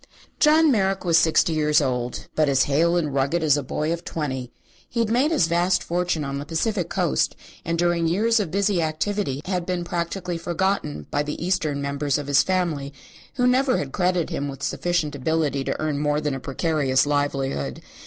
John Merrick was sixty years old, but as hale and rugged as a boy of twenty. He had made his vast fortune on the Pacific Coast and during his years of busy activity had been practically forgotten by the Eastern members of his family, who never had credited him with sufficient ability to earn more than a precarious livelihood.